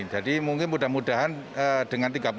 jadi mungkin mudah mudahan dengan tiga puluh